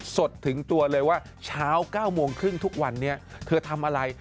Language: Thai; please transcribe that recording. สดถึงตัวเลยว่าช้า๙๓๐ทุกวันเธอทำอะไร